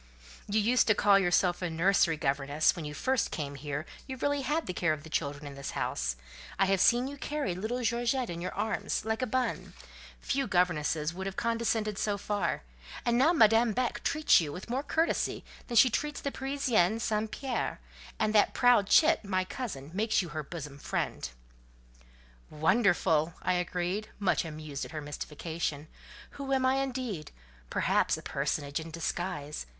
"You used to call yourself a nursery governess; when you first came here you really had the care of the children in this house: I have seen you carry little Georgette in your arms, like a bonne—few governesses would have condescended so far—and now Madame Beck treats you with more courtesy than she treats the Parisienne, St. Pierre; and that proud chit, my cousin, makes you her bosom friend!" "Wonderful!" I agreed, much amused at her mystification. "Who am I indeed? Perhaps a personage in disguise.